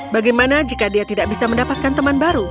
bagaimana jika dia tidak bisa mendapatkan teman baru